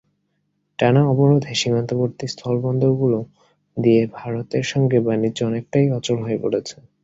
টানা অবরোধে সীমান্তবর্তী স্থলবন্দরগুলো দিয়ে ভারতের সঙ্গে বাণিজ্য অনেকটাই অচল হয়ে পড়েছে।